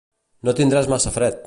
No tindràs massa fred!